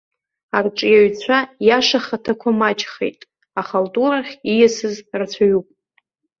Арҿиаҩцәа иашахаҭақәа маҷхеит, ахалтурахь ииасыз рацәоуп.